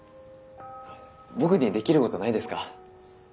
僕にできることないですか？